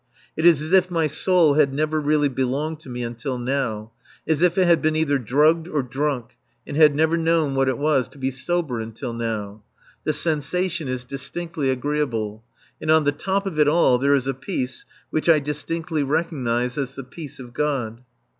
It is as if my soul had never really belonged to me until now, as if it had been either drugged or drunk and had never known what it was to be sober until now. The sensation is distinctly agreeable. And on the top of it all there is a peace which I distinctly recognize as the peace of God.